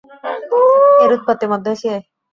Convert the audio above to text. এর উৎপত্তি মধ্য এশিয়ায়।